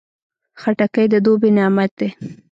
خټکی د دوبی نعمت دی.